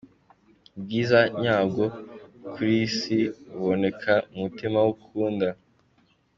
Ubwiza nyabwo ku isi buboneka mu mutima w’ukunda.